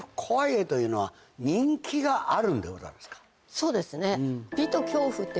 そうですね。